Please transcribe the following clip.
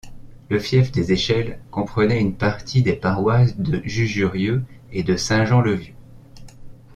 Le fief des Échelles comprenait une partie des paroisses de Jujurieux et de Saint-Jean-le-Vieux.